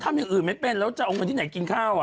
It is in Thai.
ทำอย่างอื่นไม่เป็นแล้วจะเอาเงินที่ไหนกินข้าว